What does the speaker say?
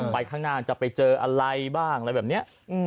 ไปข้างหน้าจะไปเจออะไรบ้างอะไรแบบนี้